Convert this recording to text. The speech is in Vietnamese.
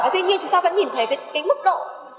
tuy nhiên chúng ta vẫn nhìn thấy cái mức độ